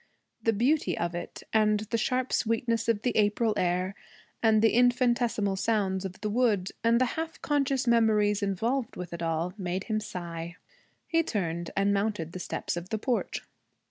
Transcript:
The beauty of it, and the sharp sweetness of the April air, and the infinitesimal sounds of the wood, and the half conscious memories involved with it all, made him sigh. He turned and mounted the steps of the porch.